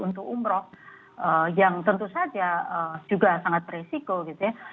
untuk umroh yang tentu saja juga sangat beresiko gitu ya